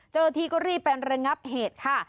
เจ้าหน้าที่ก็รีบไประงับเหตุค่ะ